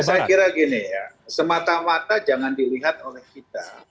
ya saya kira gini ya semata mata jangan dilihat oleh kita